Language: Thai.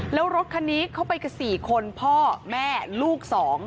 แล้วรถคันนี้เข้าไปกัน๔คนพ่อแม่ลูก๒